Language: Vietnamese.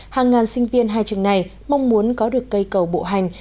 hàng ngàn sinh viên hai trường này mong muốn có được cây cầu bộ hành